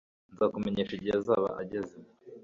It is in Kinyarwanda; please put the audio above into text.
Nzakumenyesha igihe azaba ageze